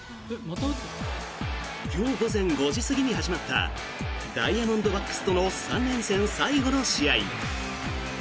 今日午前５時過ぎに始まったダイヤモンドバックスとの３連戦最後の試合。